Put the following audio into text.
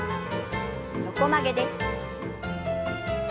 横曲げです。